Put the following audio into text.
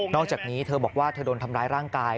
อกจากนี้เธอบอกว่าเธอโดนทำร้ายร่างกาย